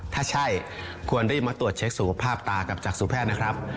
ถ้าใช่ควรรีบมาตรวจเช็คสุขภาพตากับจักษุแพทย์นะครับ